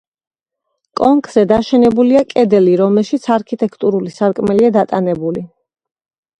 კონქზე დაშენებულია კედელი, რომელშიც არქიტრავული სარკმელია დატანებული.